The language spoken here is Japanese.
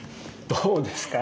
どうですか？